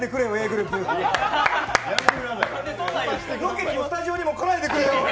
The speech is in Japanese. ロケにもスタジオにも来ないでくれよ。